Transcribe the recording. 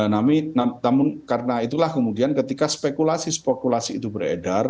namun karena itulah kemudian ketika spekulasi spekulasi itu beredar